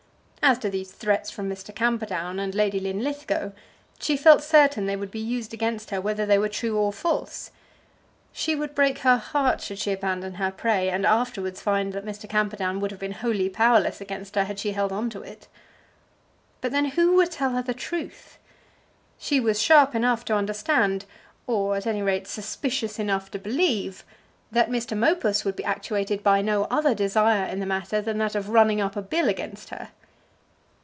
As to these threats from Mr. Camperdown and Lady Linlithgow, she felt certain they would be used against her whether they were true or false. She would break her heart should she abandon her prey and afterwards find that Mr. Camperdown would have been wholly powerless against her had she held on to it. But then who would tell her the truth? She was sharp enough to understand, or at any rate suspicious enough to believe, that Mr. Mopus would be actuated by no other desire in the matter than that of running up a bill against her.